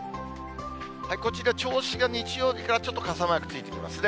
こちら、銚子が日曜からちょっと傘マークついてきますね。